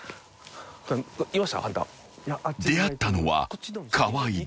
［出会ったのは河合だ］